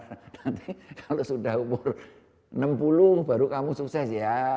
nanti kalau sudah umur enam puluh baru kamu sukses ya